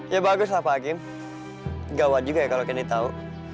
ya bagus lah pak hakim gawat juga ya kalau kendi tahu